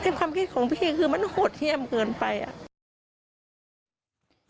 ความคิดของพี่คือมันโหดเยี่ยมเกินไปอ่ะ